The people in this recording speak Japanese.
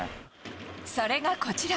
それがこちら。